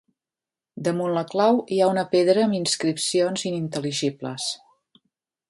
Damunt la clau hi ha una pedra amb inscripcions inintel·ligibles.